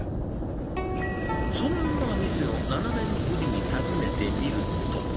そんな店を７年ぶりに訪ねてみると。